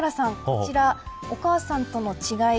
こちらお母さんとの違い